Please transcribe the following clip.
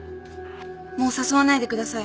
もう誘わないでください。